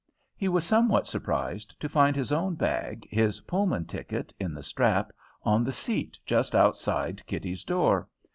He was somewhat surprised to find his own bag, his Pullman ticket in the strap, on the seat just outside Kitty's door.